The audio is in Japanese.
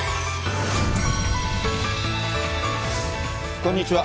こんにちは。